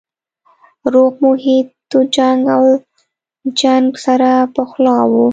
روغ محیط و جنګ او چنګ سره پخلا وو